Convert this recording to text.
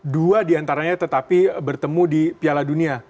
dua diantaranya tetapi bertemu di piala dunia